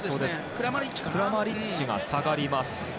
クラマリッチが下がります。